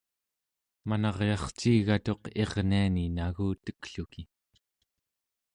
manaryarciigatuq irniani nagutekluki